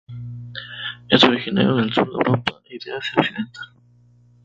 Es originario del sur de Europa y de Asia occidental.